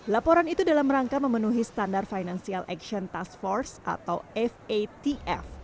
laporan itu dalam rangka memenuhi standar financial action task force atau fatf